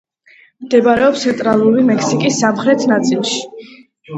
მდებარეობს ცენტრალური მექსიკის სამხრეთ ნაწილში.